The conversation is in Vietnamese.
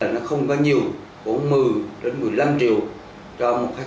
nó không có nhiều khoảng một mươi một mươi năm triệu cho một hectare